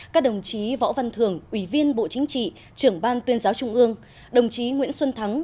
các đồng chí võ văn thường ủy viên bộ chính trị trưởng ban tuyên giáo trung ương đồng chí nguyễn xuân thắng